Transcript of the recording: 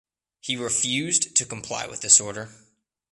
He refused to comply with this order.